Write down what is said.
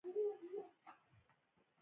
بې مفهومه دی.